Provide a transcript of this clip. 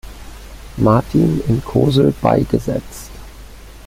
Martin in Kosel beigesetzt.